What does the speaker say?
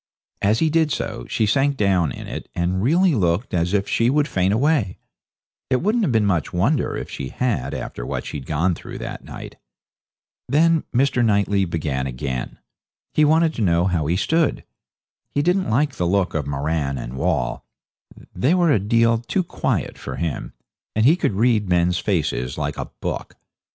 As he did so she sank down in it, and really looked as if she would faint away. It wouldn't have been much wonder if she had after what she'd gone through that night. Then Mr. Knightley began again. He wanted to know how he stood. He didn't like the look of Moran and Wall they were a deal too quiet for him, and he could read men's faces like a book.